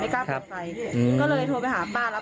ไม่กล้าปลอดภัยอือก็เลยโทรไปหาป้าแล้ว